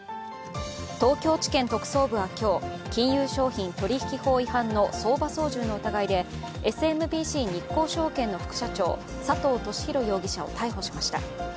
東京地検特捜部は今日、金融商品取引法違反の相場操縦の疑いでＳＭＢＣ日興証券の副社長佐藤俊弘容疑者を逮捕しました。